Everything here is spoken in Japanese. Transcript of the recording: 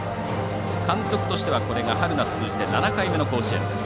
監督としてはこれが春夏、通じて７回目の甲子園です。